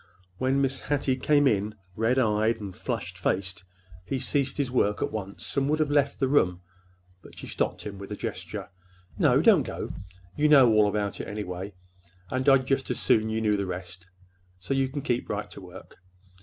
When Mrs. Hattie came in, red eyed and flushed faced, he ceased his work at once and would have left the room, but she stopped him with a gesture. "No, don't go. You know all about it, anyway,—and I'd just as soon you knew the rest. So you can keep right to work.